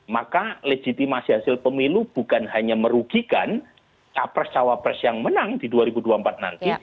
maka legitimasi hasil pemilu bukan hanya merugikan capres cawapres yang menang di dua ribu dua puluh empat nanti